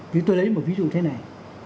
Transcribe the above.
vì tôi lấy một ví dụ thế này